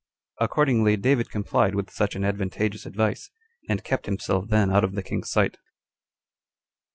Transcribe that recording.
Accordingly David complied with such an advantageous advice, and kept himself then out of the king's sight.